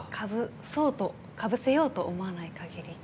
かぶせようと思わない限り。